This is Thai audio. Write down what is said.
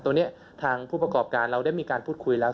ตรงนี้ทางผู้ประกอบการเราได้มีการพูดคุยแล้ว